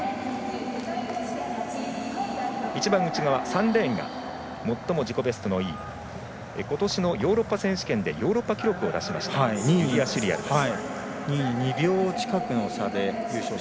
一番内側、３レーンが最も自己ベストがいいことしのヨーロッパ選手権でヨーロッパ記録を出しているユリア・シュリアルです。